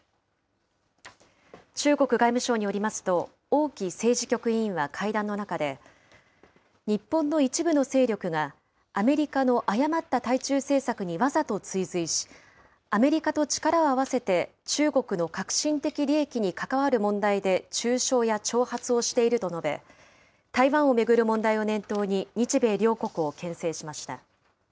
中国外務省によりますと、王毅政治局委員は会談の中で、日本の一部の勢力がアメリカの誤った対中政策にわざと追随し、アメリカと力を合わせて中国の核心的利益に関わる問題で中傷や挑発をしていると述べ、台湾を巡る問題を念頭に、日米両国をけん制しました。